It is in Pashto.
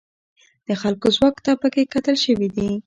د خلکو ځواک ته پکې کتل شوي دي.